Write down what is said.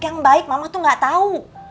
yang baik mama tuh gak tahu